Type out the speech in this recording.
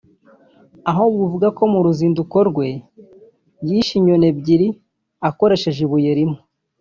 aho bivugwa ko mu ruzinduko rwe yishe inyoni ebyiri akoresheje ibuye rimwe